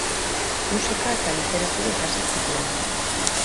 Musika eta literatura ikasi zituen.